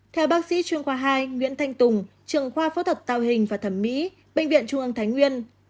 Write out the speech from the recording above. theo bác sĩ chuyên khoa hai nguyễn thanh tùng trường khoa phẫu thuật tạo hình và thẩm mỹ bệnh viện trung ương thái nguyên